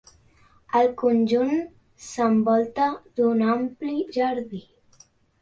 El conjunt s'envolta d'un ampli jardí.